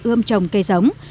ươm trồng cây giống